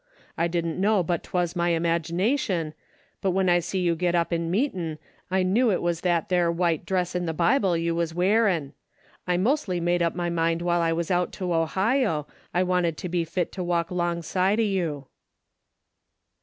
I didn't know but 'twas my 'magination, but Avhen I see you get up in meetin', I kneAV it Avas that there Avhite dress in the Bible you Avas Avearin'. I mostly made up my mind Avhile I AAms out to Ohio, I Avanted to be fit to Avalk along side o' you."